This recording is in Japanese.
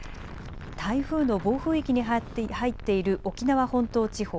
台風の暴風域に入っている沖縄本島地方。